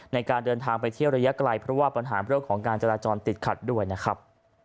ในการเดินทางไปเที่ยวระยะไกลเพราะว่าปัญหาเรื่องของการจราจรติดขัดด้วยนะครับ